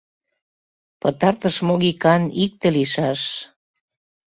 Пытартыш могикан икте лийшаш!